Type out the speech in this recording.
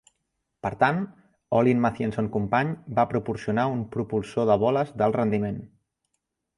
Per tant, Olin Mathieson Company va proporcionar un propulsor de boles d'alt rendiment.